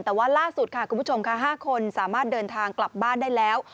แต่ว่าล่าสุดค่ะคุณผู้ชมค่ะ๕คนสามารถเดินทางกลับบ้านได้แล้ว